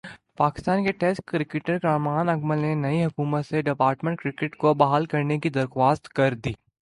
پاکستان کے ٹیسٹ کرکٹرکامران اکمل نے نئی حکومت سے ڈپارٹمنٹ کرکٹ کو بحال کرنے کی درخواست کردی۔